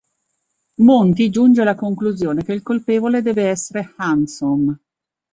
Monty giunge alla conclusione che il colpevole deve essere Handsome.